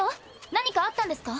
何かあったんですか？